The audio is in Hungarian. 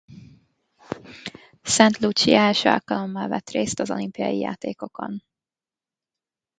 Saint Lucia első alkalommal vett részt az olimpiai játékokon.